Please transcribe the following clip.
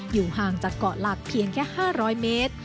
อยู่ห่างจากเกาะหลักเพียงแค่๕๐๐เมตร